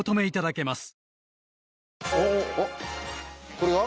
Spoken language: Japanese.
これが？